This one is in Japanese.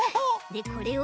でこれを。